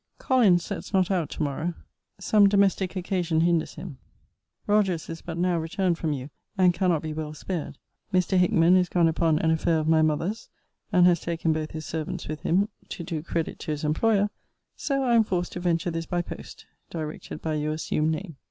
Collins sets not out to morrow. Some domestic occasion hinders him. Rogers is but now returned from you, and cannot be well spared. Mr. Hickman is gone upon an affair of my mother's, and has taken both his servants with him, to do credit to his employer: so I am forced to venture this by post, directed by your assumed name.